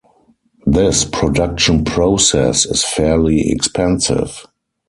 This production process is fairly expensive.